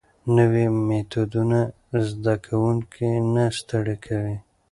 نوي میتودونه زده کوونکي نه ستړي کوي.